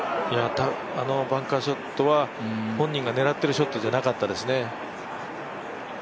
あのバンカーショットは本人が狙ってるショットじゃなかったですね。